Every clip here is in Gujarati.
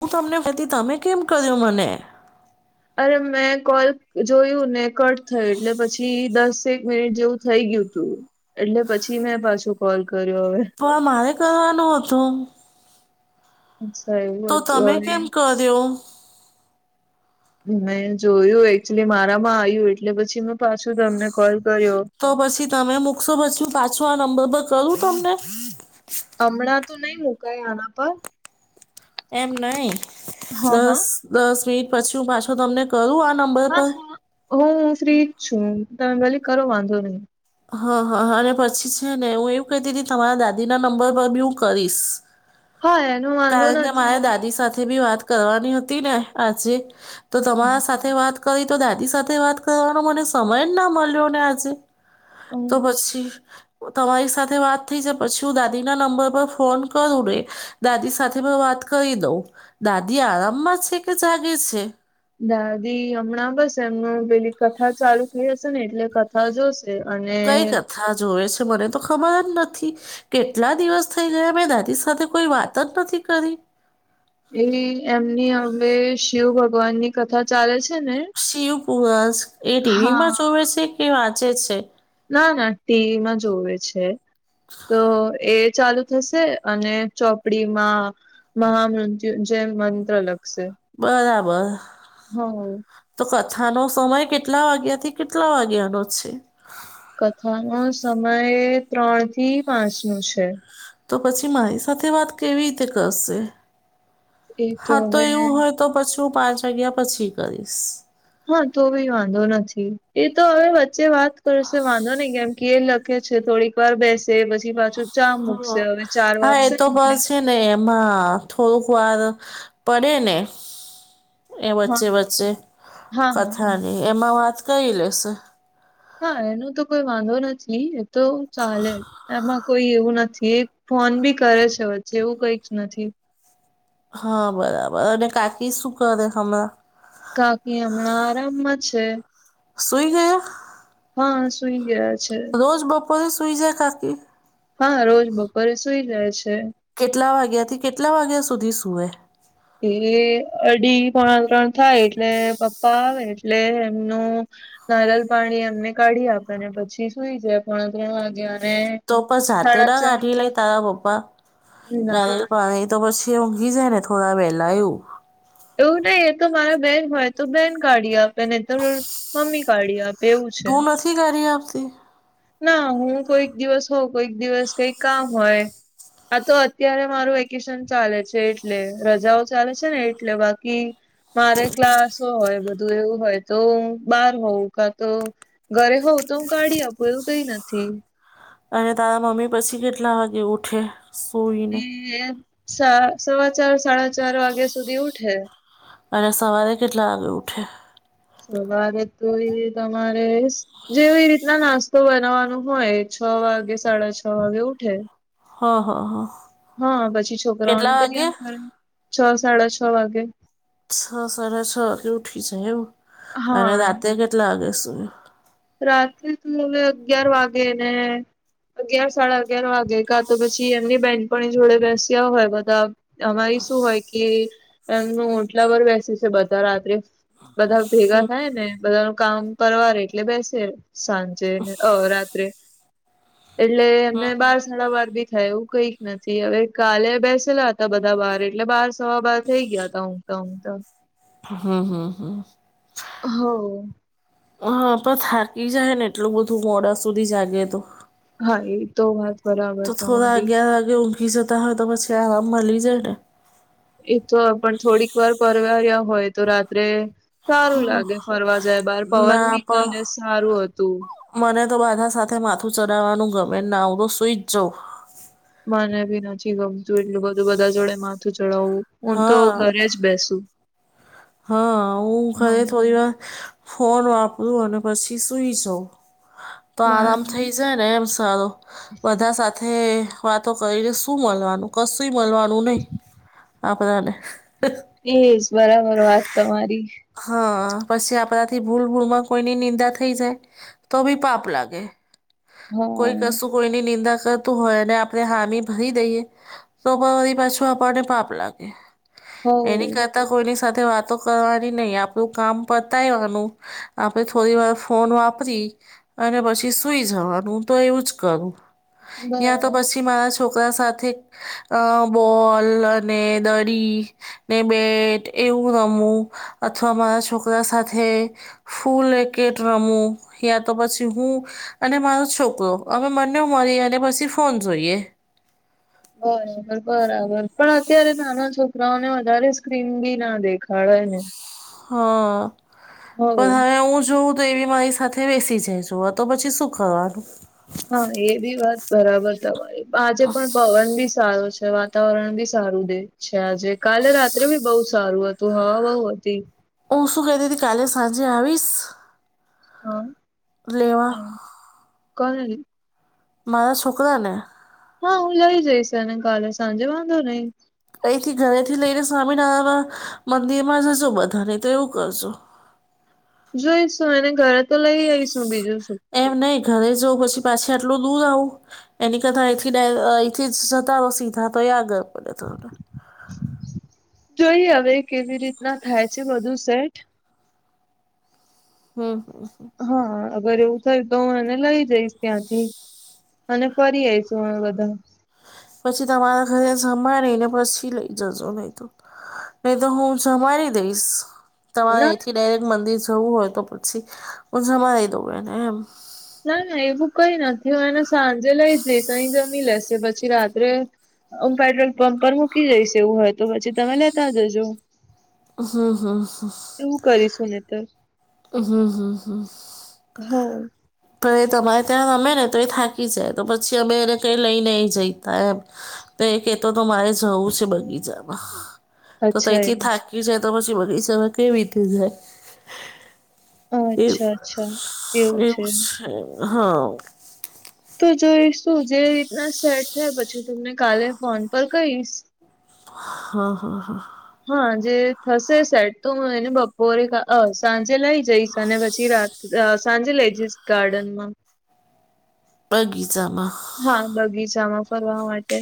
હું તમને ફતી તમે કેમ કર્યો મને અરે મેં કોલ જોયું ને કટ થયું એટલે પછી દસેક મિનિટ જેવું થઈ ગયું તું એટલે પછી મેં પાછો કોલ કર્યો હવે પણ મારે કરવાનું હતું અચ્છા એ તો તમે કેમ કર્યો મેં જોયું એકચુલી મારામાં આવ્યું એટલે પછી મે પાછું તમને કોલ કર્યો તો પછી તમે મૂકશો પછી પાછો આ નંબર પર કરું તમને હમણાં તો નઈ મુકાય આના પર એમ નહી હા હા દસ દસ મિનિટ પછી હું પાછો તમને કરું આ નંબર પર? હા હું ફ્રી જ છું તમે ભલે કરો વાંધો નહી. હા હા અને પછી છે ને હું એવું કહેતી હતી તમારા દાદી ના નંબર પર બી હું કરીશ હ એનો વાંધો કારણ કે મારે નથી દાદી સાથે બી વાત કરવાની હતી ને આજે તો તમારા સાથે તે વાત કરી તો દાદી સાથે વાત કરવાનો મને સમય જ ના મળ્યો ને આજે તો અચ્છા પછી તમારી સાથે વાત થઈ જાય પછી હું દાદી ના નંબર પર ફોન કરું રે દાદી સાથે પણ વાત કરી દઉં દાદી આરામમાં છે કે જાગે છે? દાદી હમણાં બસ એમનું પેલી કથા ચાલુ થઈ હશે ને એટલે કથા જોશે. અને કઈ કથા જોવે છે મને તો ખબર જ નથી કેટલા દિવસ થઈ ગયા મેં દાદી સાથે કોઈ વાત જ નથી કરી. એ એમની હવે શિવ ભગવાન ની કથા ચાલે છે ને શિવ પુરાણ એ ટીવીમાં હા જોવે છે કે વાંચે છે? ના ના ટીવીમાં જોવે છે. તો એ ચાલુ થશે અને ચોપડીમાં મહામૃત્યું જે મંત્ર લખશે બરાબર હા તો કથાનો સમય કેટલા વાગ્યાથી કેટલા વાગ્યાનો છે? કથા નો સમય ત્રણ થી પાંચ નો છે. તો પછી મારી સાથે વાત કેવી રીતે કરશે એ હા તો હવે એવું હોય તો પછું હું પાંચ વાગ્યા પછી કરીશ. હા તો બી વાંધો નથી એ તો હવે વચ્ચે વાત કરશે વાંધો નહી કેમ કે લખે છે થોડીક વાર બેસે પછી પાછું ચા મૂકશે હવે ચાર હા એ વાગશે ને તો એટલે બસ છે ને એમાં થોડુંક વાર પડે ને એ હા વચ્ચે વચ્ચે હા હા કથાની એમાં વાત કરી લેશે હા એનો તો કોઈ વાંધો નથી એ તો ચાલે એમાં કોઈ એવું નથી ફોન બી કરે છે વચ્ચે એવું કઈક નથી હા બરાબર અને કાકી શું કરે હમણાં? કાકી હમણાં આરામમાં છે. સુઈ ગયો? હા સુઈ ગયા છે. રોજ બપોરે સુઈ જાય કાકી? હા રોજ બપોરે સુઈ જાય છે. કેટલા વાગ્યા થી કેટલા વાગ્યા સુધી સુવે? એ અઢી પોણા ત્રણ થાય એટલે પપ્પા આવે એ એટલે એમનું નારીયલ પાણી એમને કાઢી આપેને પછી સુઈ જાય પોણા ત્રણ વાગે અને તો પણ સાથે સાડા ના ચાર રાખી લઈ તારા પપ્પા ના નારિયલ પાણી તો પછી ઊંઘી જાયને થોડા વેલા એવું એવું નહી એ તો મારા બેહેન હોય તો બેહેન કાઢી આપે નહિ તો મમ્મી કાઢી આપે. એવું છે. તું નથી કરી આપતી? ના હું કોઈક દિવસ હોઉવ કોઈક દિવસ કઈ કામ હોય આ તો અત્યારે મારું વેકેશન ચાલે છે એટલે રજાઓ ચાલે છે ને એટલે બાકી મારે ક્લાસ હોય બધું એવું હોય તો બાર હોઉં કા તો ઘરે હોવ તો હું કાઢી આપું એવું કઈ નથી. અને તારા મમ્મી પછી કેટલા વાગે ઉઠે? સૂઈને એ સ સવા ચાર સાડા ચાર વાગ્યા સુધી ઉઠે. અને સવારે કેટલા વાગળે ઉઠે. સવારે તો એ તમારે જેવી રીતના નાસ્તો બનાવાનો હોય છ વાગે સાડા છ વાગે ઉઠે. હ હ હ. હ પછી છોકરાઓને તૈયાર કરે છ સાડા છ વાગે. છ સાડા છ વાગે ઉઠી જાય એવું અને હા રાતે કેટલા વાગે સુવો રાત્રે તો હવે અગિયાર વાગે ને અગિયાર સાડા અગિયાર વાગે કા તો પછી એમની બેનપાણી એ જોડે બેસ્યા હોય બધા અમારી શું હોય કે એમનું ઓટલા વર બેસી છે બધા રાત્રે બધા ભેગા હમ થાય ને બધા નું કામ પરવારે એટલે બેસે સાંજે ને અ રાત્રે. એટલે એમને બાર સાડાબાર બી થાય એવું કઈક નથી હવે કાલે બેસેલા હ તા બધા બાર એટલે બાર સવા બાર થઈ ગયા તા ઊંઘતા ઊંઘતા. હ હ હ. હઉ હા પણ થાકી જાય ને એટલું બધું મોડા સુધી જાગે તો. હા એ તો વાત બરાબર તો થોડા તમારી અગિયાર વાગે ઊંઘી જતા હોય તો પછી આરામ મલી જાય ને. એ તો પણ થોડીક વાર પરવારિયા હોય તો રાત્રે સારું લાગે ફરવા જાય બાર પવન ના બી પણ કાલે સારું હતું. મને તો બધા સાથે માથું ચડાવાનું ગમે ના હું તો સુઈ જ જઉં. મને બી નથી ગમતું એટલું બધું બધા જોડે માથું ચડાવું હું તો હા ઘરે જ બેસું. હા હું હા ઘરે થોડી વાર ફોન વાપરું અને પછી સુઈ જઉ તો મા આરામ થઈ જા ને એમ સારું બધા સાથે વાતો કરીને શું મલવાનું. કશુંય મલવાનું નહી આપડાને. એજ બરાબર વાત તમારી. હા પછી આપણાથી ભૂલ ભૂલમાં કોઈની નિંદા થઈ જાય. તો બી પાપ લાગે હા કોઈ કશું. કોઈની નિંદા કરતું હોયને આપણે હામી ભરી દઈએ. તો વડી પાછું આપણને પાપ લાગે હો એની કરતા કોઈને સાથે વાતો કરવાની નહી આપણું કામ પતાયવાનું. આપણે થોડી વાર ફોન વાપરી અને પછી સુઈ જવાનું હુ તો એવું જ કરું યાં તો બરાબર પછી પછી મારા છોકરા સાથે અ બોલ અને દડી ને બેટ એવું રમવું અથવા મારા છોકરા સાથે ફૂલ રેકેટ રમું યા તો પછી હું અને મારો છોકરો અમે બંને મળીનેે પછી ફોન જોઈએ. બરાબર બરાબર પણ અત્યારે નાના છોકરાઓને વધારે સ્ક્રીન બી ના દેખાડાય ને. હા હવ પણ હવે હું જોઉં તો એ બી મારી સાથે બેસી જાય જોવા તો પછી શું કરવાનું. હા એ બી વાત બરાબર તમારી આજે પણ પવન બી સારો છે વા વાતાવરણ બી સારું દે છે આજે કાલે રાત્રે બી બહુ સારું હતું હવા બઉ હતી. હું શું કેતી હતી કાલે સાંજે આવીશ. હા. મને લેવા કાલ લી મારા છોકરા ને. હા હું લઈ જઈશ એને કાલે સાંજે વાંધો નહી અહીંથી ઘરે થી લઈને સ્વામિનારાયણ મંદિરમાં જશો બધાને તો એવું કરશો જોઈશું એને ઘરે તો લઈ આઈશું બીજું શું એમ નહી ઘરે જવં પછી પાછી આટલું દૂર આવું. એની કરતા અઈથી ડાઈ એ અઈથી જતા રો સીધા તો એ આગળ પડે થોડું જોઈ હવે કેવી રીતના થાય છે બધું સેટ હમ્મ હમ્મ હા અગર એવું થયુ તો હુ એને લઈ જઈશ ત્યાંથી અને ફરી આઈશું અમે બધા. પછી તમારા ઘરે સંભારીને પછી લઈ જજો નહી તો. નહી તો હું સંભારી દઈશ તમારે ના અહીથી ડાયરેક્ટ મંદિર જવું હોય તો પછી હું જમાડી દઉં એને એમ ના ના એવું કઈ નથી. એને સાંજે લઈ જઈશ અહીં જમી લેશે પછી રાત્રે હું પેટ્રોલ પંપ પર મૂકી જઈશ એવું હોય તો, પછી તમે લેતા જજો. હમ હમ હ એવું કરીશું ને તો હમ હમ હમ હમ્મ પણ એ તમારે ત્યાં રમે ને તો એ થાકી જાય તો પછી અમે એને કઈ લઈ નહી જઈતા એમ. તો એ કે તો તો મારે જવું છે બગીચામાં તો અચ્છા તઈથી એવું છે થાકી જાય તો પછી બગીચામાં કેવી રીતે જાય. અચ્છા એવું અચ્છા એવું છે [unintelligible] હા તો જોઈશું જે રીતના સેટ થયા પછી તમને કાલે ફોન પર કહીશ. હા હા હ હા જે થશે સેટ તો હું એને બપોરે કા અ સાંજે લઈ જઈશ અને પછી રાત અ સાંજે લઈ જઈશ ગાર્ડનમાં બગીચમાં હા બગીચામાં ફરવા માટે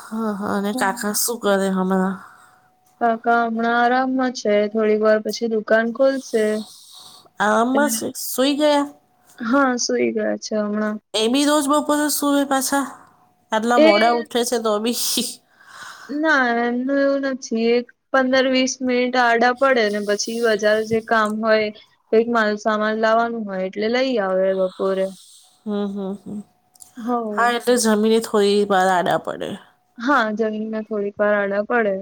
હા હ અને હમ કાકા શું કરે હમણાં. કાકા હમણાં આરામમાં છે થોડીક વાર પછી દુકાન ખોલશે. આરામ માં છે સુઈ ગયા? હા સુઈ ગયા છે. હમ એ બી રોજ બપોરે સુવે પાછા. આટલા એ મોડા ઉઠે છે તો બી. ના એમનું એવું નથી. એક પંદર વીસ મિનિટ આડા પડે ને પછી બજાર જે કામ હોય. કંઈક માલ સામાન લાવવાનું હોય એટલે લઈ આવે બપોરે. હમ્મ હમ્મ હમ્મ હઓ તો જમીને થોડી વાર આડા પડે. હા જમીને થોડીક વાર અડા પડે.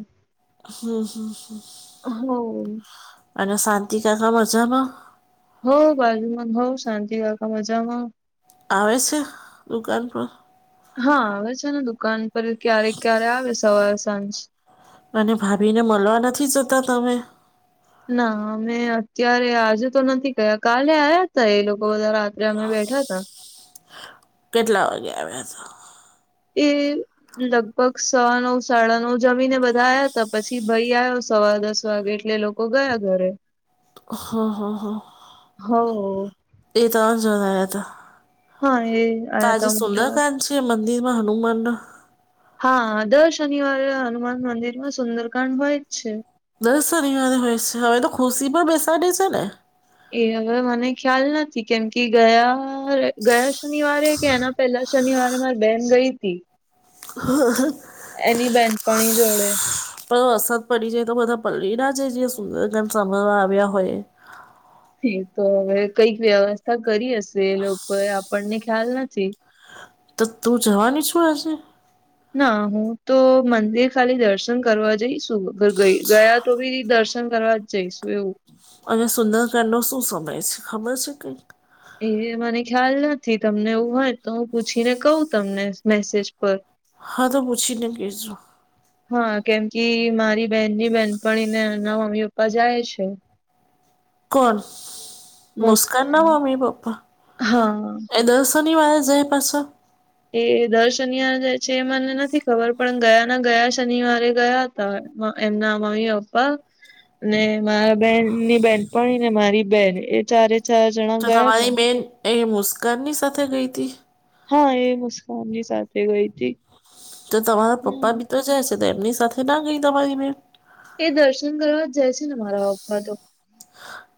હમ્મ હમ્મ હમ્મ હઊ અને શાંતિ કાકા મજામાં? હો બાજુમાં હો શાંતિ કાકા મજામાં. આવે છે દુકાન પર? હા આવે છે ને દુકાન પર ક્યારેક ક્યારે આવે સવારે સાંજ અને ભાભીને મલવા નથી જતા તમે? ના અમે અત્યારે આજે તો નથી ગયા કાલે આવ્યા તા એ લોકો બધા રાત્રે અમે બેઠા હતા. કેટલા વાગે આવ્યા હતા. એ લગભગ સવા નવ સાડા નવ જમી ને બધા આવ્યા હતા. પછી ભાઈ આવયો સવા દસ વાગે એટલે લોક ગયા ઘરે હ હ હા. હો એ ત્રણ જણ આયા તા. હા એ તો આયા આજે તા મોટા સુંદરકાંડ છે મંદિર માં હનુમાન ના હા દર શનિવારે હનુમાન મંદિર માં સુંદરકાંડ હોય જ છે દસ શનિવારે હોય છે? હવે તો ખુરશી મા બેસાડે છે ને! એ હવે મને ખ્યાલ નથી. કેમ કે ગયા ગયા શનિવારે કે, એના... પેલા શનિવારે મારી બેન ગઈ હતી. હા એની બેનપણી જોડે પણ વરસાદ પડી જાય તો બધા પલડી ના જાય જે સુંદરકાંડ સાંભળવા આવ્યા હોય એ એતો હવે કંઈક વ્યવસ્થા કરી હશે એ લોકો એ આપણને ખ્યાલ નથી. તો તું જવાની છે? આજે. ના, હું તો મંદિર ખાલી દર્શન કરવા જઈશ. અગર ગયા તો ભી દર્શન કરવા. જઈશું એવું. અને સુંદરકાંડ નો શું સમય છે? ખબર છે કંઈ? એ મને ખ્યાલ નથી. તમને એવું હોય તો હું પૂછીને કહું. તમને મેસેજ પર. હા, તો પૂછીને કેજો. હા, કેમ કે મારી બેહેનની બેહેનપણીને એમના મમ્મી-પપ્પા જાય છે. કોણ મુસ્કાન ના મમ્મી-પપ્પા? હા એ દસ. શનિવારે જાહે પાસો. એ દર શનિવાર જાય છે. એ મને નથી ખબર પણ ગયા ના ગયા શનિવારે ગયા. એમ નાં મમ્મી-પપ્પા. ને મારા બેન ની બહેનપણી ને મારી બેન. એ ચારે. ચાર જણા તો ગયા હતા. તમારી બેન એ મુસ્કાનની સાથે ગઈ હતી? હા, એ મુસ્કાનની સાથે ગઈ હતી. તો, તમારા હમ પપ્પા ભી તો જાય છે. તો એમની સાથે ના ગઈ તમારી બેન? એ દર્શન કરવા જ જાય છે. ને મારા પપ્પા તો.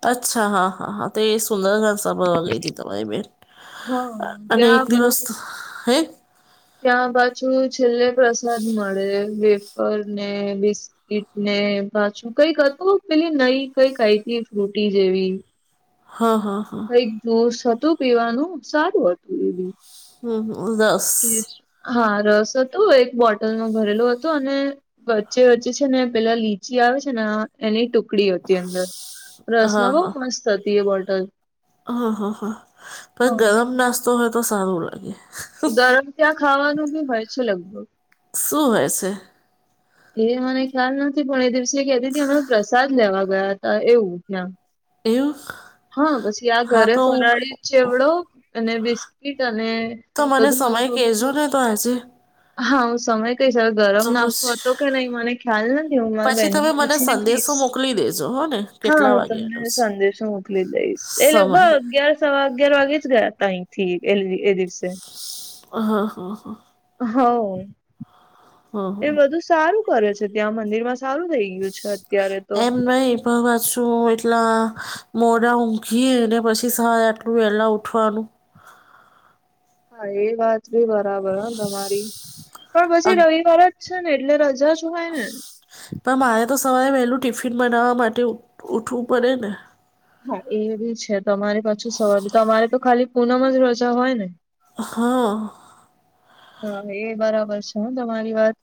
અચ્છા! હા હા, હા તે સુંદરકાંડ. સાંભળવા ગઈ હતી. તમારી બેન હા અને એક ત્યાં દિવસ. પાછું હે! ત્યાં પાછું છેલ્લે પ્રસાદી મળે. વેફર ને બિસ્કીટ. એને પાછું કઈક હતું. પેલી નઈ કંઈક કઈ હતી! ફ્રુટી જેવી. હા હા. એક જ્યૂસ હતુ. પીવાનું સારું હતું. એ ભી.. હમ હમ. હા રસ હતોુ એક બોટલમાં ભરેલું હતું અને વચ્ચે-વચ્ચે છે, ને પેલા લીચી આવે છે ને! એની ટુકડી હતી અંદર હા રસમાં બહુ હા મસ્ત હતી. એ બોટલ. હા હા પણ હા ગરમ. તો હોય તો સાારું લાગે. ગરમ ત્યાં ખાવાનું બી હોય છે. લગભગ઼.... શું હોય છે? એ મને ખ્યાલ નથી. પણ એ દિવસે કહેતી હતી. અમે પ્રસાદ લેવા ગયા હતા. એવું ત્યાં, એવું? હા, પછી આ હા ઘરે તો હું- ફરાળી ચેવડો અને બિસ્કીિટ અને... તો મને બધું સમય હતું કહેજો ને તો આજે? હા, હું સમય કઈશ. હવે, ગરમ તો નાસ્તો પછી હતો કે નહીં. મને.. ખ્યાલ નથી. હું મારા પછી બેહેનને તમે મને પૂછીને કહીશ. સંદેશો મોકલી દેજો હો ને હા કેટલા હું વાગ્યાનો તમને છે સંદેશો... મોકલી દઈશ. એ સમય લગભગ અગિયાર સવા અગિયાર વાગ્યે જ ગયા અહીંથી એ એ દિવસે. હા હા હા. હા, હા એ હા બધું સારું કરે છે. ત્યાં મંદિરમાં સારું થઈ ગયું છે. અત્યારે તો એમ નય. પાછું એટલા મોડા ઊંઘી યે ને પછી, સવારે આટલું વેલા ઉઠવાનું. હા, એ વાત ભી બરાબર હો તમારી પણ પછી અગ રવિવાર જ છે, ને એટલે રજા. શય પણ મારે તો સવારે વહેલું ટિફિન બનાવવા માટે ઉઠવું પડે ને હા એ બી છે તમારી પાછું સવાર તમારે તો ખાલી પુનમાં જ રજા હોય ને હા હા એ બરાબર છે હું તમારી વાત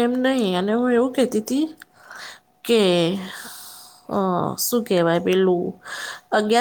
એમ નહિ. અને, હું એવું કેતી તી, કે હ શું કેવાય પેલું? અગિયાર.